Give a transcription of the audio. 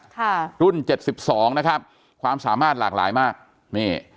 ค่ะรุ่นเจ็ดสิบสองนะครับความสามารถหลากหลายมากนี่